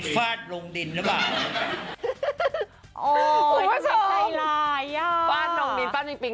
ฟาดลงดิน